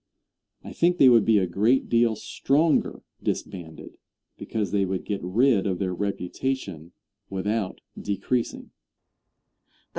I think they would be a great deal stronger disbanded, because they would get rid of their reputation without decreasing.